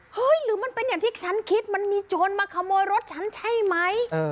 หรือมันเป็นอย่างที่ฉันคิดมันมีโจรมาขโมยรถฉันใช่ไหม